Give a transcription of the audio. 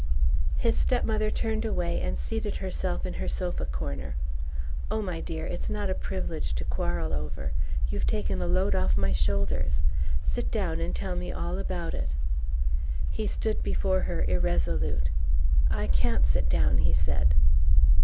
His step mother turned away and seated herself in her sofa corner. "Oh, my dear, it's not a privilege to quarrel over! You've taken a load off my shoulders. Sit down and tell me all about it." He stood before her, irresolute. "I can't sit down," he said.